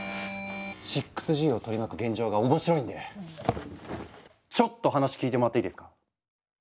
６Ｇを取り巻く現状が面白いんでちょっと話聞いてもらっていいですか？